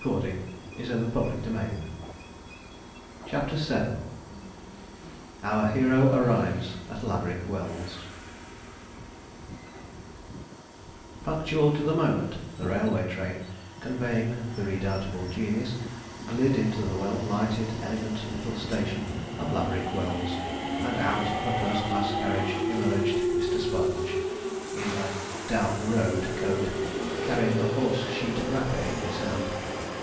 SPONGE ARRIVES AT LAVERICK WELLS] CHAPTER VII OUR HERO ARRIVES AT LAVERICK WELLS Punctual to the moment, the railway train, conveying the redoubtable genius, glid into the well lighted, elegant little station of Laverick Wells, and out of a first class carriage emerged Mr. Sponge, in a 'down the road' coat, carrying a horse sheet wrapper in his hand.